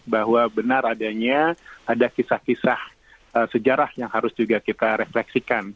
bahwa benar adanya ada kisah kisah sejarah yang harus juga kita refleksikan